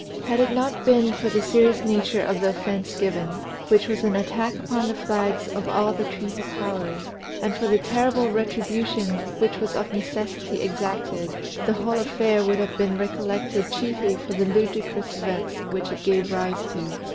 If it had not been for the serious nature of the offence given, which was an attack upon the flags of all the treaty Powers, and for the terrible retribution which was of necessity exacted, the whole affair would have been recollected chiefly for the ludicrous events which it gave rise to.